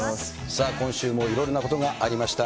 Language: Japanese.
さあ今週もいろんなことがありました。